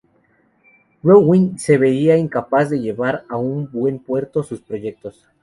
Browning se veía incapaz de llevar a buen puerto sus proyectos.